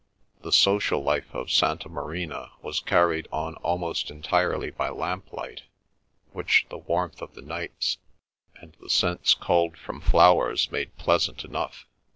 The social life of Santa Marina was carried on almost entirely by lamp light, which the warmth of the nights and the scents culled from flowers made pleasant enough.